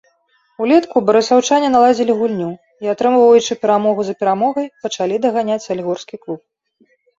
Улетку барысаўчане наладзілі гульню, і, атрымоўваючы перамогу за перамогай, пачалі даганяць салігорскі клуб.